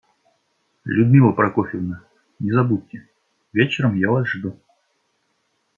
Людмила Прокофьевна, не забудьте, вечером я Вас жду.